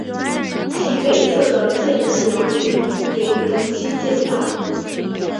其北侧的建南楼群也于同期建造。